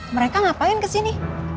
mereka ngapain kesini